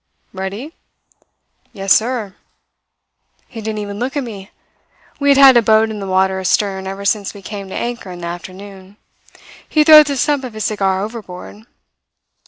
"'Ready?' "'Yes, sir.' "He didn't even look at me. We had had a boat in the water astern ever since we came to anchor in the afternoon. He throws the stump of his cigar overboard.